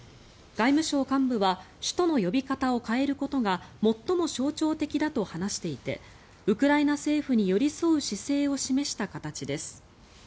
外務省幹部は首都の呼び方を変えることが最も象徴的だと話していてウクライナ政府に寄り添う姿勢を示した形です。